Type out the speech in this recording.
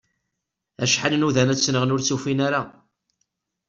Acḥal i nudan ad t-nɣen ur t-ufin ara.